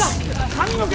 髪の毛！